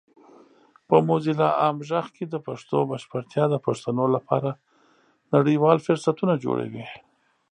په موزیلا عام غږ کې د پښتو بشپړتیا د پښتنو لپاره نړیوال فرصتونه جوړوي.